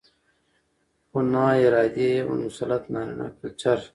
؛ خو ناارادي يې د مسلط نارينه کلچر